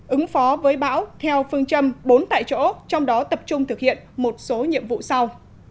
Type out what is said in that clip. ứng phó với bão theo phương châm bốn tại chỗ trong đó tập trung thực hiện một số nhiệm vụ sau